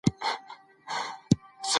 کله سمندري سفرونه د کډوالو ژوند اخلي؟